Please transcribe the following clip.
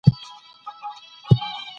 حکومتونو باید ټولنیزې چارې سمبالې کړې وای.